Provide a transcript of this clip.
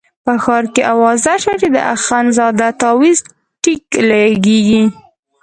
په ښار کې اوازه شوه چې د اخندزاده تاویز ټیک لګېږي.